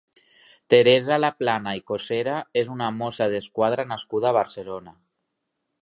Teresa Laplana i Cocera és una mossa d'esquadra nascuda a Barcelona.